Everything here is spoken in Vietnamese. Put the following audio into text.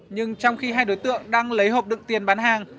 nhưng trong khi hai đối tượng đang lấy hộp đựng tiền bán hàng